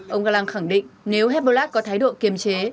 ông galang khẳng định nếu hezbollah có thái độ kiềm chế